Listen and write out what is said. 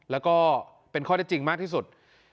และก็เป็นข้อเท็จจริงมากที่สุด